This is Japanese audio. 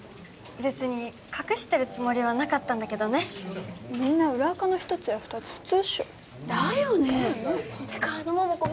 別に隠してるつもりはなかったんだけどねみんな裏アカの一つや二つ普通っしょだよねってかあの桃子